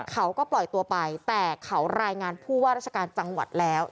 เขาก็ปล่อยตัวไปแต่เขารายงานผู้ว่าราชการจังหวัดแล้ว